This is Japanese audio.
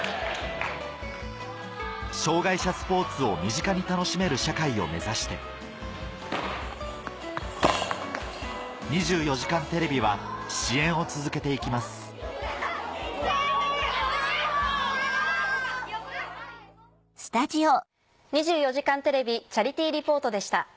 障害者スポーツを身近に楽しめる社会を目指して『２４時間テレビ』は支援を続けて行きます「２４時間テレビチャリティー・リポート」でした。